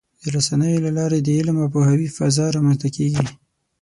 د رسنیو له لارې د علم او پوهاوي فضا رامنځته کېږي.